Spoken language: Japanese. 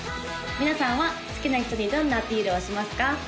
皆さんは好きな人にどんなアピールをしますか？